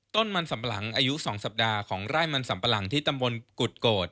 ต้นมันสำปะหลังอายุ๒สัปดาห์ของไร่มันสัมปะหลังที่ตำบลกุฎโกรธ